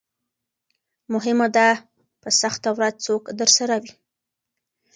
مهمه ده په سخته ورځ څوک درسره وي.